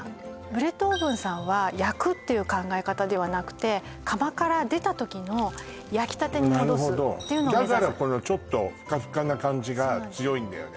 ブレッドオーブンさんは焼くっていう考え方ではなくて窯から出た時の焼きたてに戻すなるほどだからこのちょっとフカフカな感じが強いんだよね